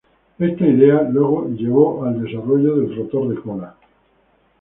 Esta idea, luego llevó al desarrollo del rotor de cola.